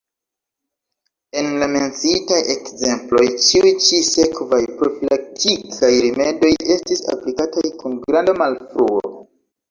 En la menciitaj ekzemploj ĉiuj ĉi-sekvaj profilaktikaj rimedoj estis aplikataj kun granda malfruo.